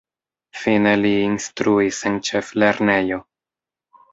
Fine li instruis en ĉeflernejo.